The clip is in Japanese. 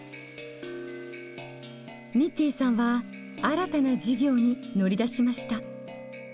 ニッティンさんは新たな事業に乗り出しました。